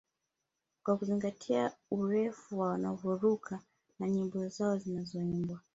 Kwa kuzingatia urefu wa wanavyoruka na nyimbo zao zinazoimbwa